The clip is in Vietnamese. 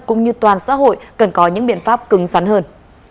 cũng như toàn xã hội cần có những biện pháp cứng rắn hơn